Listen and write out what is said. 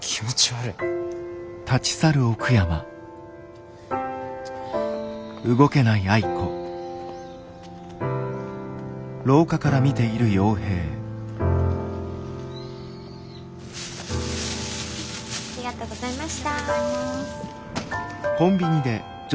ありがとうございます。